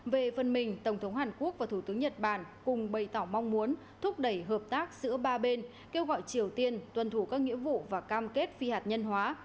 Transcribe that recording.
về phần mình tổng thống hàn quốc và thủ tướng nhật bản cùng bày tỏ mong muốn thúc đẩy hợp tác giữa ba bên kêu gọi triều tiên tuân thủ các nghĩa vụ và cam kết phi hạt nhân hóa